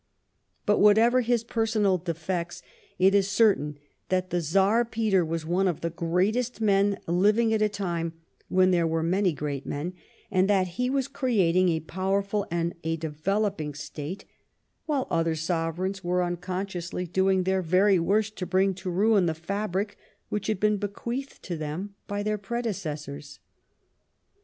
But whatever his personal defects, it is certain that the Czar Peter was one of the greatest men living at a time when there were many great men, and that he was creating a powerful and a developing state while other sovereigns were unconsciously doing their very worst to bring to ruin the fabric which had been bequeathed to them by their predecessors.